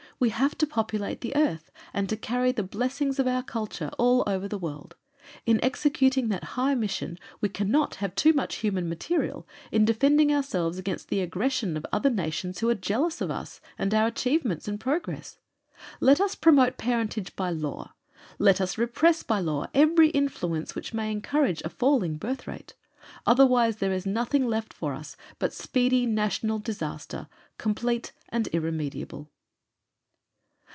We have to populate the earth, and to carry the blessings of our Kultur all over the world. In executing that high mission we cannot have too much human material in defending ourselves against the aggression of other nations who are jealous of us and our achievements and progress. Let us promote parentage by law; let us repress by law every influence which may encourage a falling birth rate; otherwise there is nothing left us but speedy national disaster, complete and irremediable."